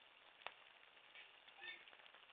uchakataji wa viazi kklishe husaidia viazi kukaa mda mrefu